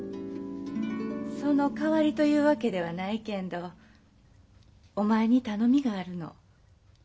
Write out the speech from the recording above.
そのかわりというわけではないけんどお前に頼みがあるの。